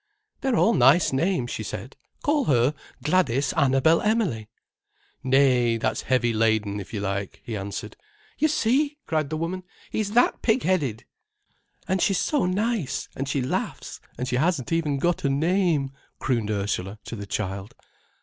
"They're all nice names," she said. "Call her Gladys Annabel Emily." "Nay, that's heavy laden, if you like," he answered. "You see!" cried the woman. "He's that pig headed!" "And she's so nice, and she laughs, and she hasn't even got a name," crooned Ursula to the child.